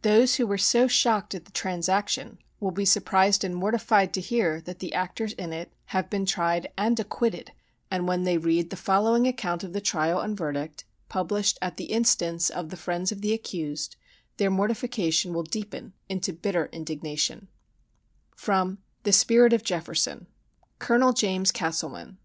Those who were so shocked at the transaction will be surprised and mortified to hear that the actors in it have been tried and acquitted; and when they read the following account of the trial and verdict, published at the instance of the friends of the accused, their mortification will deepen into bitter indignation: From the "Spirit of Jefferson." "COLONEL JAMES CASTLEMAN.